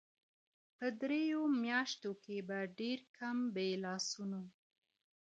په دريو مياشتو كي به ډېر كم بې لاسونو